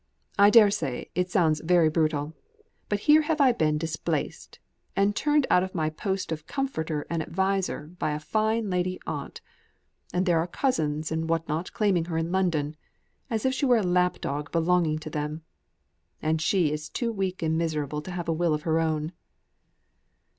I daresay it sounds very brutal; but here have I been displaced, and turned out of my post of comforter and adviser by a fine lady aunt; and there are cousins and what not claiming her in London, as if she were a lap dog belonging to them. And she is too weak and miserable to have a will of her own."